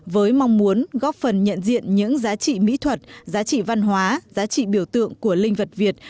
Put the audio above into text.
với mong muốn góp phần nhận diện những giá trị mỹ thuật giá trị văn hóa giá trị biểu tượng của linh vật việt